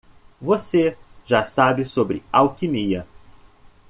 Você já sabe sobre alquimia.